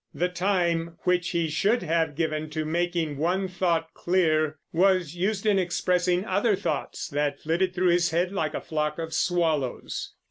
The time which he should have given to making one thought clear was used in expressing other thoughts that flitted through his head like a flock of swallows.